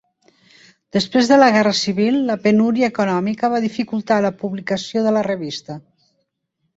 Després de la guerra civil, la penúria econòmica va dificultar la publicació de la revista.